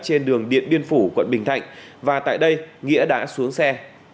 trên đường điện biên phủ quận bình thạnh và tại đây nghĩa đã xuống xe